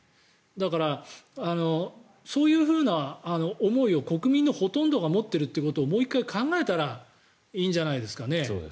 だから、そういう思いを国民のほとんどが持っているということをもう一回考えたらいいんじゃないですかね。